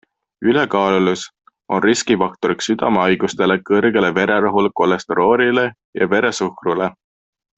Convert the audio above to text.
Ülekaalulisus on riskifaktoriks südamehaigustele, kõrgele vererõhule, kolesteroolile ja veresuhkrule.